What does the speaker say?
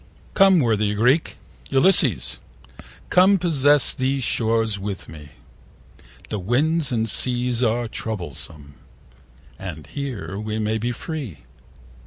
COME, worthy Greek! Ulysses, come, Possess these shores with me: The winds and seas are troublesome, And here we may be free.